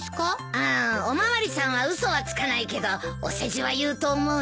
うんお巡りさんは嘘はつかないけどお世辞は言うと思うよ。